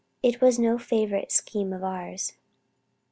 It was no favorite scheme of ours."